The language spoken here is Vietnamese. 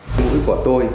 nguyễn nhự lý